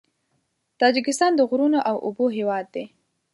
تاجکستان د غرونو او اوبو هېواد دی.